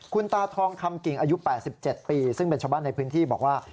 คุณตาทองคำกิ่งอายุ๘๗ปีซึ่งเป็นชาวบ้านในพื้นที่บอกว่า